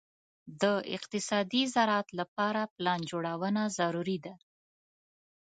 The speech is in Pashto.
د اقتصادي زراعت لپاره پلان جوړونه ضروري ده.